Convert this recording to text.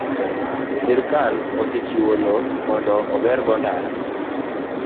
sirkal osechiwo lowo mondo ogergo ndara.